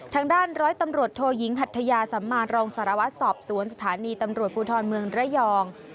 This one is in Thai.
ทางด้านร้อยตำรวจโทยิงหัทยาสัมมารองสารวัตรสอบสวนสถานีตำรวจภูทรเมืองระยอง